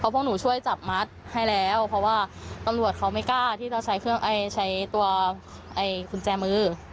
พวกหนูช่วยจับมัดให้แล้วเพราะว่าตำรวจเค้าไม่กล้าที่จะใช้เทรียมคุณแจมือ